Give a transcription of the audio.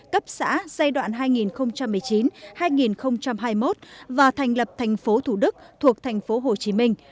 cấp xã giai đoạn hai nghìn một mươi chín hai nghìn hai mươi một và thành lập thành phố thủ đức thuộc thành phố hồ chí minh